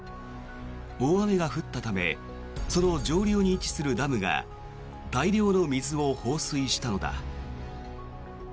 大雨が降ったためその上流に位置するダムが大量の水を放水したのだ。